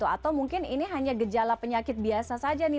atau mungkin ini hanya gejala penyakit biasa saja nih